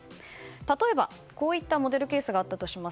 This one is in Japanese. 例えば、こういったモデルケースがあったとします。